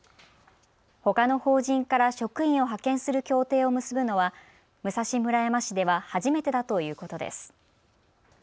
ほかの法人から職員を派遣する協定を結ぶのは武蔵村山市では初めてだということです。